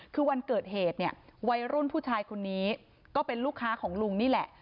คือวันเกิดเหตุเนี่ยวัยรุ่นผู้ชายคนนี้ก็เป็นลูกค้าของลุงนี่แหละ